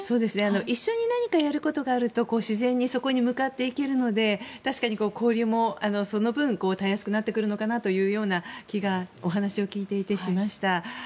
一緒に何かやることがあると自然にそこに向かっていけるので確かに交流もその分たやすくなってくるのかなという気がお話を聞いていてしました。